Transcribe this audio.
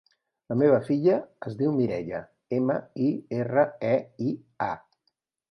La meva filla es diu Mireia: ema, i, erra, e, i, a.